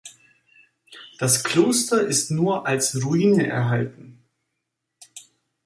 Das Kloster ist nur als Ruine erhalten.